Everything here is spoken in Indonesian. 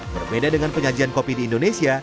berbeda dengan penyajian kopi di indonesia